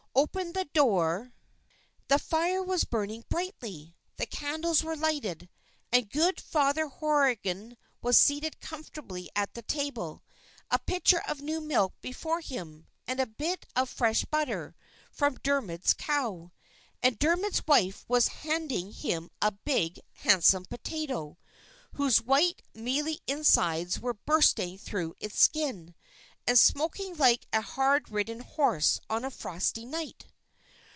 He opened the door. The fire was burning brightly. The candles were lighted. And good Father Horrigan was seated comfortably at the table, a pitcher of new milk before him, and a bit of fresh butter, from Dermod's cow. And Dermod's wife was handing him a big, handsome potato, whose white, mealy insides were bursting through its skin, and smoking like a hard ridden horse on a frosty night.